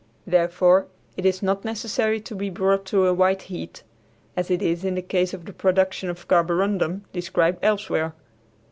Therefore it is not necessary to be brought to a white heat, as it is in the case of the production of carborundum, described elsewhere.